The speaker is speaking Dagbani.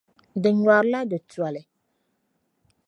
Di nyɔrla di toli.